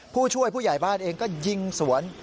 ผู้ช่วยผู้ใหญ่บ้านเองก็ยิงสวน